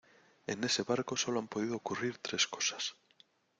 en ese barco solo han podido ocurrir tres cosas.